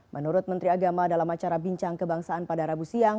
menurut menteri agama dalam acara bincang kebangsaan pada rabu siang